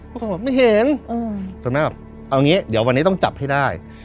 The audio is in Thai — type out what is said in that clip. เขาบอกไม่เห็นจนแม่แบบเอางี้เดี๋ยววันนี้ต้องจับให้ได้